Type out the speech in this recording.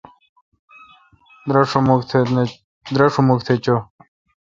دراشوم مکھ تہ چو۔